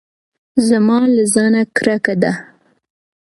زما له ځانه کرکه ده .